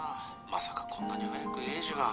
まさかこんなに早く栄治が。